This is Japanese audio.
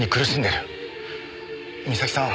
美咲さん